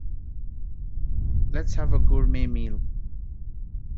Let's have a Gourmet meal.